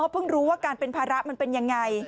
เพิ่งรู้ว่าการเป็นภาระมันเป็นยังไง